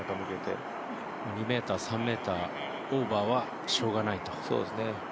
２ｍ、３ｍオーバーはしようがないと。